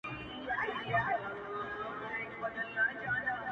له ډيره وخته مو لېږلي دي خوبو ته زړونه;